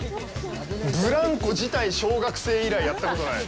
ブランコ自体小学生以来やったことない。